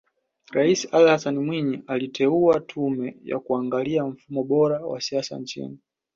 Rais Ali Hassan Mwinyi aliteua Tume ya kuangalia mfumo bora wa siasa nchini